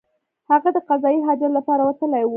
هغه د قضای حاجت لپاره وتلی وو.